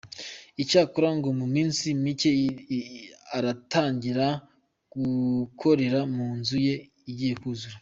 Icyakora ngo mu minsi mike aratangira gukorera mu nzu ye igiye kuzura.